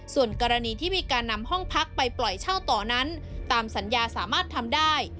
ส่วนกรณีที่มีการนำห้องพักไปปล่อยเช่าต่อนั้นตามสัญญาสามารถทำได้